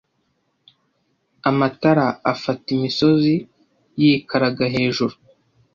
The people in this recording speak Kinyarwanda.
Amatara afata imisozi yikaraga hejuru,